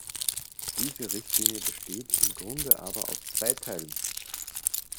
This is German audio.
Diese Richtlinie besteht im Grunde aber aus zwei Teilen.